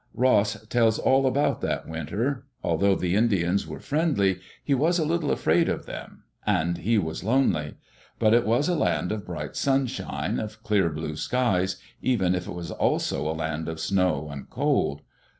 Ross tells all about that winter. Although the Indians were friendly, he was a little afraid of them; and he was lonely. But it was a land of bright sunshine, of clear blue skies, even if it was also a land of snow and cold.